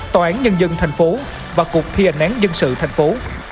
tòa án nhân dân thành phố và cục thi hành án dân sự thành phố